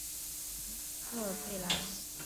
科尔贝兰。